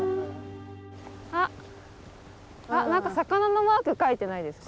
あっ何か魚のマーク描いてないですか？